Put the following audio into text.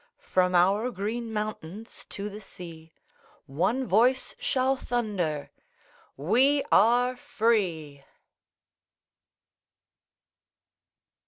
From our Green Mountains to the sea, One voice shall thunder, We are free!